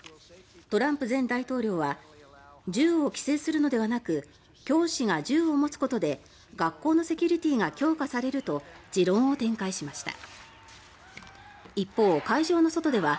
トランプ前大統領は銃を規制するのではなく教師が銃を持つことで学校のセキュリティーが強化されると持論を展開しました。